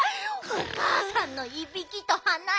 おかあさんのいびきとはないき